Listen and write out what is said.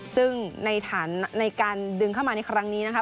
ซึ่งในฐานในการดึงเข้ามาในครั้งนี้นะคะ